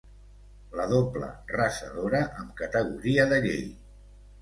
La doble rasadora, amb categoria de llei.